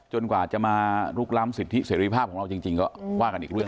กว่าจะมาลุกล้ำสิทธิเสรีภาพของเราจริงก็ว่ากันอีกเรื่อง